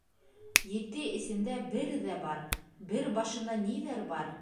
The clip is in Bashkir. Ете эсендә бер ҙә бар, бер башында ниҙәр бар?